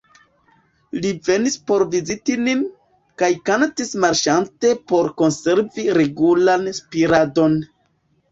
Li venis por viziti nin, kaj kantis marŝante por konservi regulan spiradon.